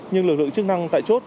nhưng lực lượng chức năng tại chốt